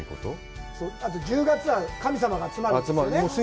あと、１０月は神様が集まるんですよね。